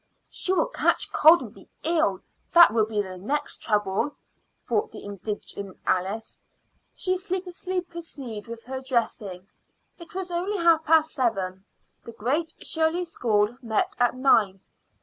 "She will catch cold and be ill; that will be the next trouble," thought the indignant Alice. She sleepily proceeded with her dressing. It was only half past seven. The Great Shirley School met at nine.